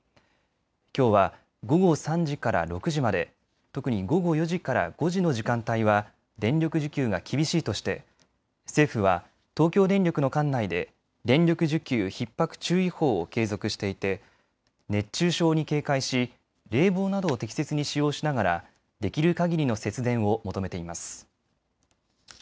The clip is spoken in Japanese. きょうは午後３時から６時まで、特に午後４時から５時の時間帯は電力需給が厳しいとして政府は東京電力の管内で電力需給ひっ迫注意報を継続していて熱中症に警戒し冷房などを適切に使用しながらできるかぎりの節電を求めています。